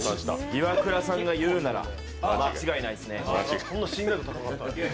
イワクラさんが言うなら間違いないですね。